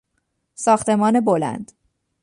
ساختمان بلند